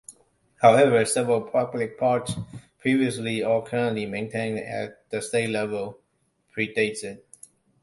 However several public parks previously or currently maintained at the state level pre-date it.